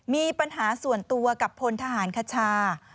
มีปัญหาส่วนตัวกับพลทหารคชา